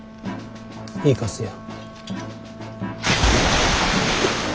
行かせよ。